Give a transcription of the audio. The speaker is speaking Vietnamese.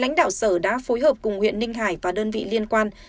lãnh đạo sở đã phối hợp cùng huyện ninh hải và đơn vị liên quan